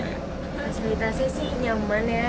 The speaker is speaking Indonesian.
fasilitasnya sih nyaman ya